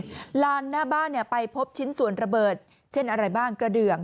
จะเป็นลานหน้าบ้านไปพบชิ้นส่วนระเบิดเช่นกระเดือง